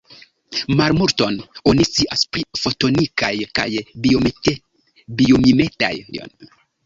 Malmulton oni scias pri fotonikaj kaj biomimetaj produktoj inspiritaj de plantoj aŭ bestoj.